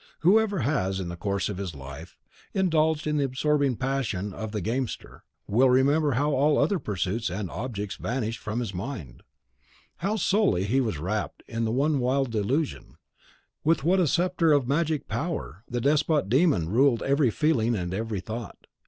Whoever has, in the course of his life, indulged the absorbing passion of the gamester, will remember how all other pursuits and objects vanished from his mind; how solely he was wrapped in the one wild delusion; with what a sceptre of magic power the despot demon ruled every feeling and every thought.